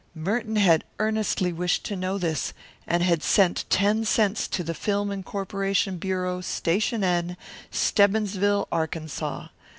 Merton had earnestly wished to know this, and had sent ten cents to the Film Incorporation Bureau, Station N, Stebbinsville, Arkansas.